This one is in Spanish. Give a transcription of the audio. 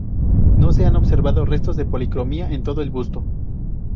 No se han observado restos de policromía en todo el busto.